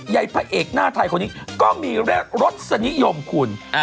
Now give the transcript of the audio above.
ใยพระเอกหน้าไทยคนนี้ก็มีลดสนิยมขุน